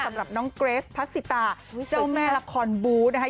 สำหรับน้องเกรสพัสสิตาเจ้าแม่ละครบูธนะคะ